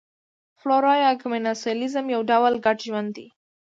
فلورا یا کمېنسالیزم یو ډول ګډ ژوند دی.